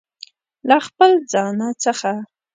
له خپل ځانه څخه